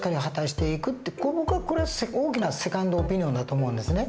ここが大きなセカンドオピニオンだと思うんですね。